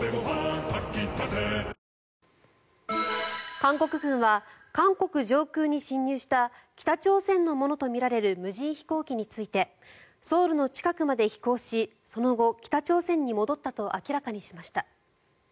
韓国軍は韓国上空に侵入した北朝鮮のものとみられる無人飛行機についてソウルの近くまで飛行しその後、北朝鮮に戻ったと明らかにしました。